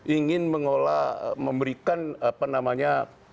ingin mengolah memberikan apa namanya